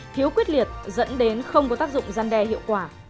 thiếu quyết liệt dẫn đến không có tác dụng gian đe hiệu quả